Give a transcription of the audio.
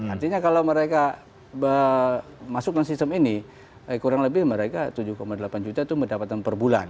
artinya kalau mereka masuk dalam sistem ini kurang lebih mereka tujuh delapan juta itu mendapatkan per bulan